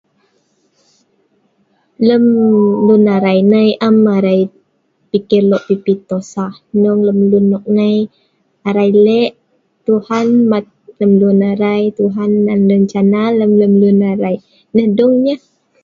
Lem lun arai nai am arai pikir lo' pipi tosah hnong lem lun arai nai Tuhan dung nok laeu' arai. Nah dung lah.